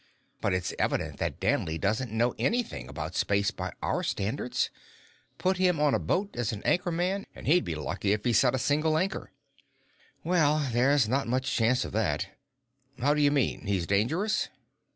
But it's evident that Danley doesn't know anything about space by our standards. Put him out on a boat as an anchor man, and he'd be lucky if he set a single anchor." "Well, there's not much chance of that. How do you mean, he's dangerous?"